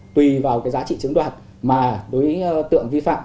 tùy vào giá trị chứng đoạt mà đối với tượng vi phạm